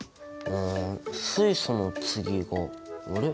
水素の次があれ？